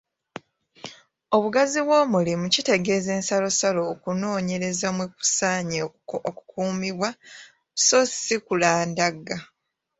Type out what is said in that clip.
Obugazi bw’omulimu kitegeeza ensalosalo okunoonyereza mwe kusaanye okukuumibwa so si kulandagga.